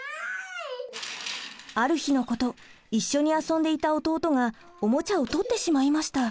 ある日のこと一緒に遊んでいた弟がおもちゃをとってしまいました。